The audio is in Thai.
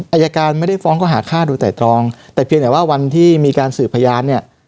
อายการไม่ได้ฟ้องก็หาฆ่าโดยไตรตรองแต่เพียงแต่ว่าวันที่มีการสืบพยานเนี่ย